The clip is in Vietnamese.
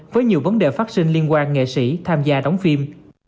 với nhiều vấn đề phát sinh liên quan nghệ sĩ tham gia đóng phim